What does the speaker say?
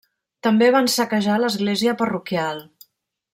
També van saquejar l'església parroquial.